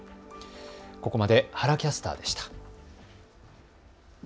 ここまで原キャスターでした。